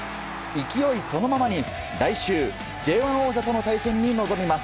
勢いそのままに来週、Ｊ１王者との対戦に臨みます。